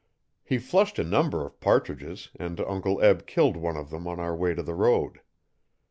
He flushed a number of partridges and Uncle Eb killed one of them on our way to the road.